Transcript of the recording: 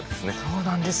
そうなんです。